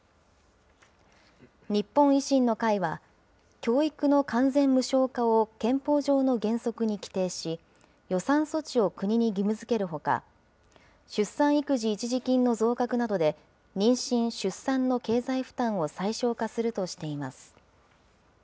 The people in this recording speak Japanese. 日本維新の会は、教育の完全無償化を憲法上の原則に規定し、予算措置を国に義務づけるほか、出産育児一時金の増額などで、妊娠・出産の経済負担を最小化するとしています。